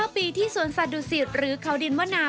๙ปีที่สวนสัตว์ดุสิตหรือเขาดินมะนาว